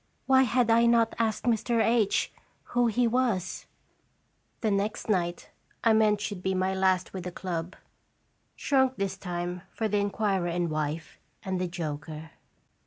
Why had I not asked Mr. H who he was? The next night I meant should be my last with the club, shrunk this time to* the inquirer and wife, and the joker.